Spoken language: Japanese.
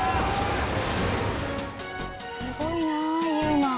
すごいなぁユウマ。